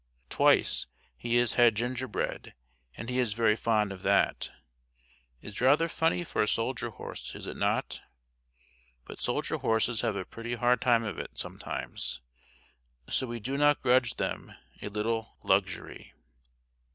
Twice he has had gingerbread and he is very fond of that. It is rather funny for a soldier horse, is it not? But soldier horses have a pretty hard time of it, sometimes, so we do not grudge them a little luxury.